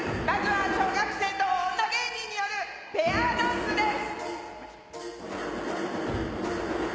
小学生と女芸人によるペアダンスです。